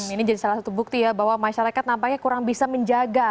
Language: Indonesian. ini jadi salah satu bukti ya bahwa masyarakat nampaknya kurang bisa menjaga